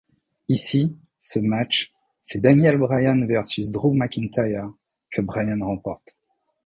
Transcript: Ici, ce match, c'est Daniel Bryan vs Drew McIntyre que Bryan remporte.